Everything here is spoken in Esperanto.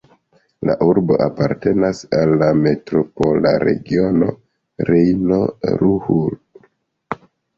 La urbo apartenas al la Metropola regiono Rejno-Ruhr.